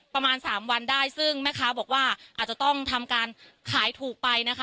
ประมาณสามวันได้ซึ่งแม่ค้าบอกว่าอาจจะต้องทำการขายถูกไปนะคะ